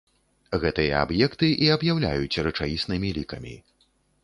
Гэтыя аб'екты і аб'яўляюць рэчаіснымі лікамі.